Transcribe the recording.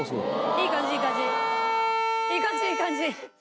いい感じいい感じ。